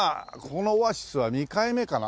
このオアシスは２回目かな？